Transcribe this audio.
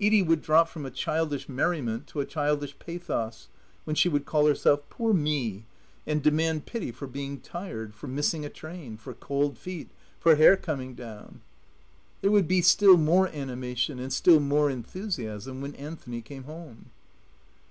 Edie would drop from a childish merriment to a childish pathos, when she would call herself "Poor me," and demand pity for being tired, for missing a train, for cold feet, for hair coming down. There would be still more animation, and still more enthusiasm when Anthony came home.